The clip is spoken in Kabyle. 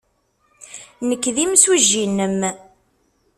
Nekk d imsujji-nnem.